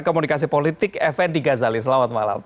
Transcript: komunikasi politik effendi ghazali selamat malam